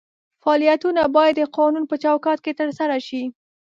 فعالیتونه باید د قانون په چوکاټ کې ترسره شي.